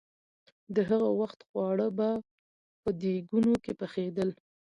د هغه وخت خواړه به په دېګونو کې پخېدل.